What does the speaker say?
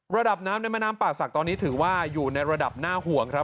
ระดับน้ำในแม่น้ำป่าศักดิ์ตอนนี้ถือว่าอยู่ในระดับน่าห่วงครับ